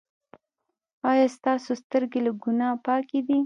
ایا ستاسو سترګې له ګناه پاکې دي؟